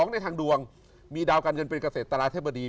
ในทางดวงมีดาวการเงินเป็นเกษตราธิบดี